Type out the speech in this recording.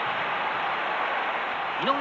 井上